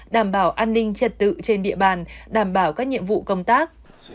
đảm bảo an ninh trật tự trên địa bàn đảm bảo các nhiệm vụ công tác